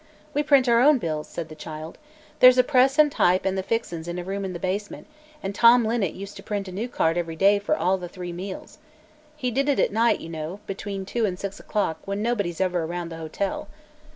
"We print our own bills," said the child. "There's a press an' type an' the fixings in a room in the basement, an' Tom Linnet used to print a new card every day for all the three meals. He did it at night, you know, between two an' six o'clock, when nobody's ever around the hotel.